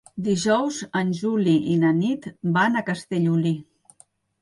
Dijous en Juli i na Nit van a Castellolí.